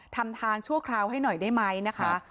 ทำทางชั่วคราวให้หน่อยได้ไหมนะคะ